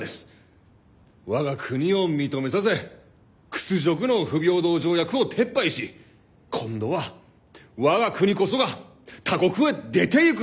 我が国を認めさせ屈辱の不平等条約を撤廃し今度は我が国こそが他国へ出ていくのです！